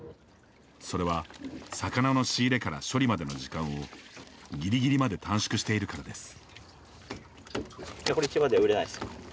それは、魚の仕入れから処理までの時間を、ぎりぎりまで短縮しているからです。